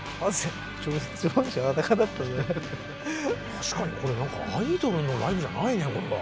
確かにこれアイドルのライブじゃないねこれは。